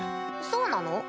そうなの？